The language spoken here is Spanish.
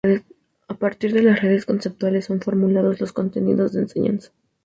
A partir de las redes conceptuales son formulados los contenidos de enseñanza.